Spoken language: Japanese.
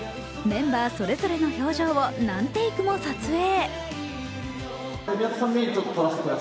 メンバーそれぞれの登場を何テイクも撮影。